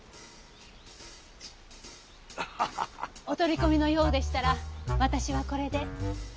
お取り込みのようでしたら私はこれで。